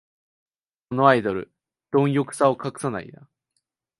このアイドル、どん欲さを隠さないな